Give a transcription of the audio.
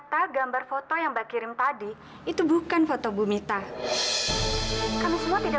mulai hari ini semenjak dikeluarkan surat ini maka vino sah sebagai cucu bapak